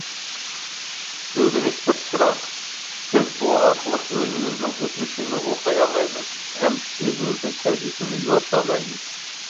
ئۆگىنىش بىر چىراغ بولۇپ، بىز ئۇ ئارقىلىق ئۆزىمىزنىڭ ئۆتمۈشىنى ئوقۇيالايمىز، ھەمدە ئۆزىمىزنىڭ كەلگۈسىنى يورۇتالايمىز.